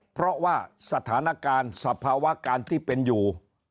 เพราะว่าสถานการณ์สภาวะการที่เป็นอยู่